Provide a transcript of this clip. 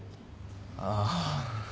ああ。